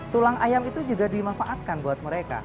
tulang ayam itu juga dimanfaatkan buat mereka